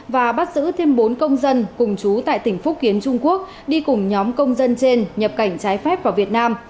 và bắt giữ thêm bốn công dân cùng chú tại tỉnh phúc kiến trung quốc đi cùng nhóm công dân trên nhập cảnh trái phép vào việt nam